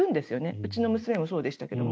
うちの娘もそうでしたけど。